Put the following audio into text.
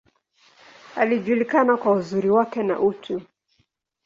Alijulikana kwa uzuri wake, na utu.